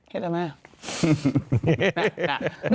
เห็ดอะไรอ่ะ